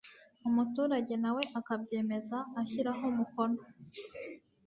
umuturage nawe akabyemeza abishyiraho umukono.